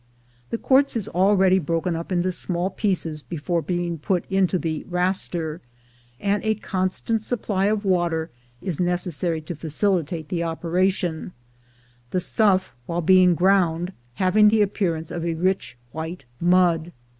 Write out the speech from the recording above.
The quartz is already broken up into small pieces before being put into the "raster," and a constant sup ply of water is necessary to facilitate the operation, the stuff, while being ground, having the appearance of a rich white mud.